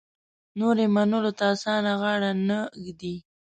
نور یې منلو ته اسانه غاړه نه ږدي.